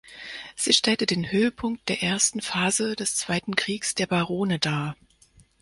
Sie stellte den Höhepunkt der ersten Phase des Zweiten Kriegs der Barone dar.